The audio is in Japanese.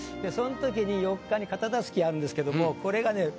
そのときに４日に片襷あるんですけどもこれがね